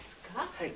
はい。